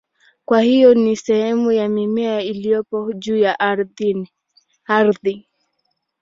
Kwa hiyo ni sehemu ya mmea iliyopo juu ya ardhi.